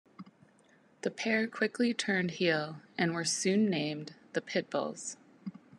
The pair quickly turned heel and were soon named "The Pitbulls".